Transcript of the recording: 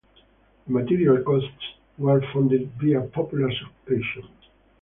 The material costs were funded via popular subscription.